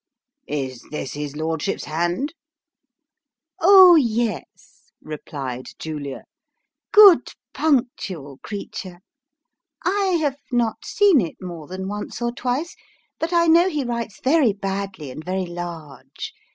" Is this his lordship's hand ?"" Oh yes," replied Julia ;" good, punctual creature ! I have not seen it more than once or twice, but I know he writes very badly and very large.